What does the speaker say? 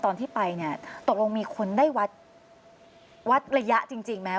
ตอนที่ไปเนี่ยตกลงมีคนได้วัดวัดระยะจริงไหม